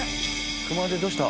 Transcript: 熊毛どうした？